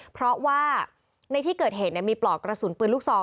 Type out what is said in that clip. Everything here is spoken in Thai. เพราะว่าในที่เกิดเหตุมีปลอกกระสุนปืนลูกซอง